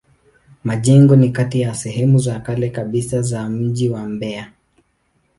Majengo ni kati ya sehemu za kale kabisa za mji wa Mbeya.